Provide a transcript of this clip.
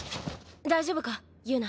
大丈夫か友奈？